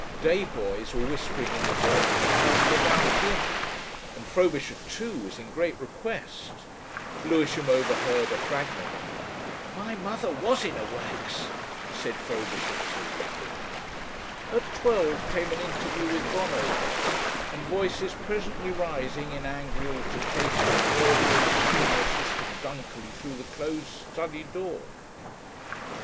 Day boys were whispering in the morning apparently about him, and Frobisher ii. was in great request. Lewisham overheard a fragment "My mother was in a wax," said Frobisher ii. At twelve came an interview with Bonover, and voices presently rising in angry altercation and audible to Senior assistant Dunkerley through the closed study door.